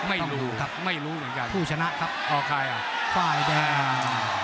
แฟนมวยชอบใครครับ